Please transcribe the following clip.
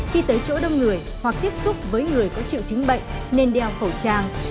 khi tới chỗ đông người hoặc tiếp xúc với người có triệu chứng bệnh nên đeo khẩu trang